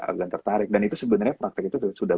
agak tertarik dan itu sebenarnya praktek itu sudah